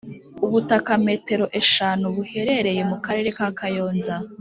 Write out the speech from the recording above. Ubutaka Metero eshanu buherereye mu karere ka kayonza